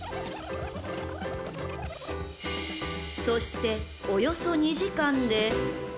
［そしておよそ２時間で］